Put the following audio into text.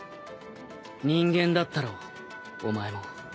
人間だったろうお前も。